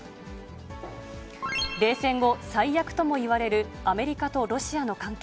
冷戦後、最悪ともいわれるアメリカとロシアの関係。